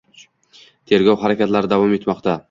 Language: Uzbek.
Tergov harakatlari davom etmoqda.